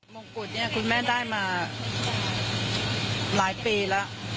มงกุฎเนี่ยคุณแม่ได้มาหลายปีแล้ว